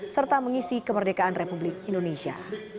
serta mengisi kemerdekaan republik indonesia